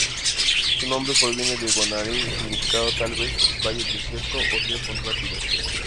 Su nombre proviene del guaraní, significando tal vez "valle desierto" o "río con rápidos".